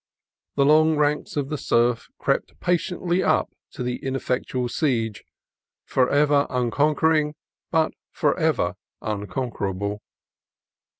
The long ranks of the surf crept patiently up to the ineffectual siege, forever unconquering but forever unconquerable.